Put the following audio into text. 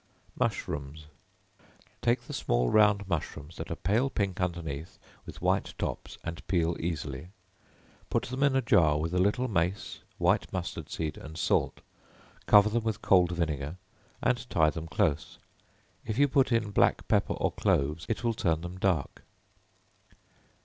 Mushrooms. Take the small round mushrooms that are pale pink underneath, with white tops, and peel easily; put them in a jar with a little mace, white mustard seed and salt; cover them with cold vinegar, and tie them close. If you put in black pepper or cloves, it will turn them dark.